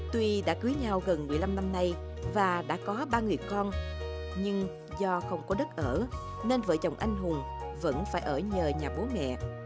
tuy đã cưới nhau gần một mươi năm năm nay và đã có ba người con nhưng do không có đất ở nên vợ chồng anh hùng vẫn phải ở nhờ nhà bố mẹ